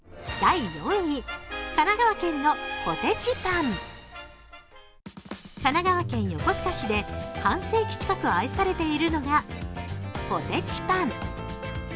神奈川県横須賀市で半世紀近く愛されているのがポテチパン。